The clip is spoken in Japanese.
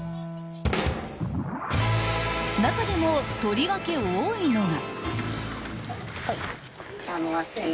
［中でもとりわけ多いのが］